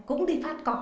cũng đi phát cọ